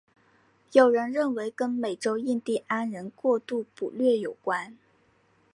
有人认为跟美洲印第安人过度捕猎有关。